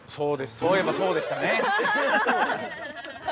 ◆そういえば、そうでしたね。